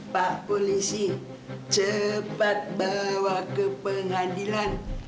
pak polisi cepat bawa ke pengadilan